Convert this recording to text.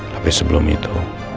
tapi sebelum itu